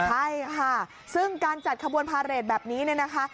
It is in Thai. ใช่ค่ะซึ่งการจัดขบวนพาเรทแบบนี้เนี่ยนะคะ